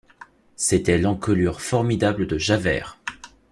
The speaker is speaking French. C’était l’encolure formidable de Javert.